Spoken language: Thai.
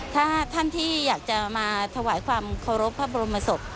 ถ้าท่านที่อยากจะมาถวายความเคารพพระบรมศพ